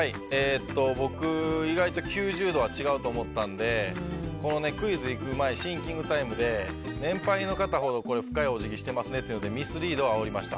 僕、意外と９０度は違うと思ったのでこのクイズ行く前シンキングタイムで年配の方ほど深いお辞儀をしてますねというのでミスリードをあおりました。